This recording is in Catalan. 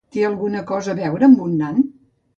Té alguna cosa a veure amb un nan?